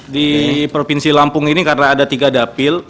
di provinsi lampung ini karena ada tiga dapil